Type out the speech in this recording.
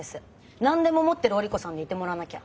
何でも持ってる織子さんでいてもらわなきゃ。